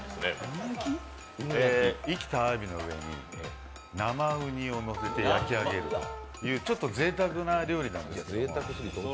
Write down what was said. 生きたあわびの上に生うにをのせて焼き上げるというちょっとぜいたくな料理なんですけど。